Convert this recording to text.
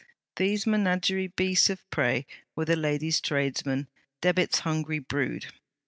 These menagerie beasts of prey were the lady's tradesmen, Debit's hungry brood.